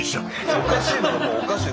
おかしいのはおかしい。